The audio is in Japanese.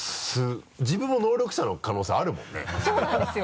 自分も能力者の可能性あるもんねそうなんですよ